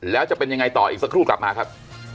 แล้วจะเป็นยังไงต่ออีกสักครู่กลับมาครับ